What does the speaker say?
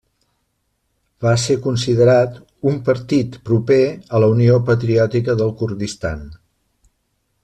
Va ser considerat un partit proper a la Unió Patriòtica del Kurdistan.